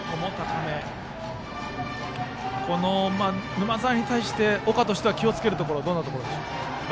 沼澤に対して岡としては気をつけるところどんなところでしょうか？